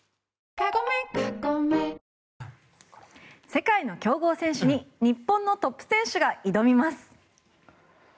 世界の強豪選手に日本のトップ選手が挑みます。